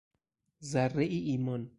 ذرهای ایمان